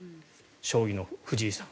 将棋の藤井さん